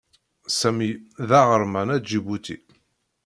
Sami d aɣerman aǧibuti.